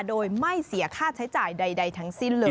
โดยไม่เสียค่าใช้จ่ายใดทั้งสิ้นเลย